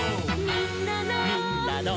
「みんなの」